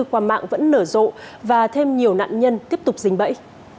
qua mạng vẫn nở rộ và thêm nhiều nạn nhân tiếp tục dính bẫy